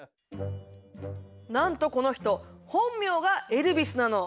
なんとこの人本名が「エルビス」なの。